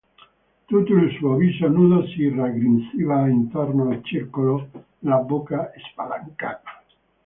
Tutto il suo viso nudo si raggrinziva intorno al circolo della bocca spalancata.